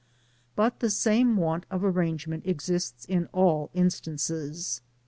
But the same want of ar rangement exists in all instances.